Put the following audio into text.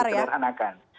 misalnya bergumar berkeranakan